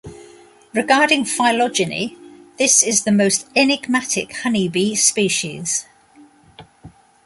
Regarding phylogeny, this is the most enigmatic honey bee species.